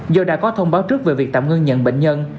do đã có thông báo trước về việc tạm ngưng nhận bệnh nhân